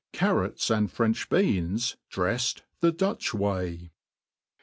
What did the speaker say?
Carrots and French Beans drejfed the Butch Way.